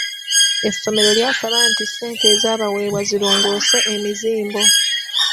Essomero lyasaba nti ssente ezabaweebwa zirongoose emizimbo.